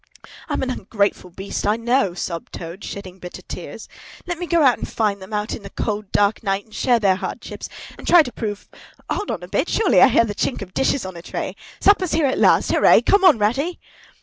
"I'm an ungrateful beast, I know," sobbed Toad, shedding bitter tears. "Let me go out and find them, out into the cold, dark night, and share their hardships, and try and prove by——Hold on a bit! Surely I heard the chink of dishes on a tray! Supper's here at last, hooray! Come on, Ratty!"